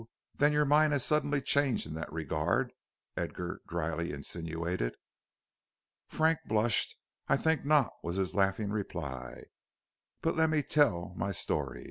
Then your mind has suddenly changed in that regard," Edgar dryly insinuated. Frank blushed. "I think not," was his laughing reply. "But let me tell my story.